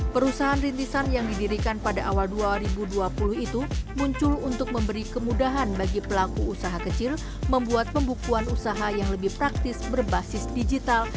perusahaan rintisan yang didirikan pada awal dua ribu dua puluh itu muncul untuk memberi kemudahan bagi pelaku usaha kecil membuat pembukuan usaha yang lebih praktis berbasis digital